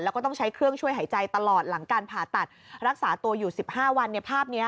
แล้วก็ต้องใช้เครื่องช่วยหายใจตลอดหลังการผ่าตัดรักษาตัวอยู่๑๕วันภาพนี้